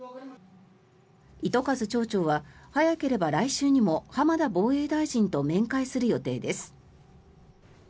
糸数町長は早ければ来週にも浜田防衛大臣と面会する予定です。